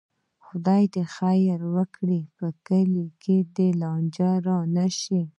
خدای دې خیر وکړي، په کلي کې دې لانجه نه راشي.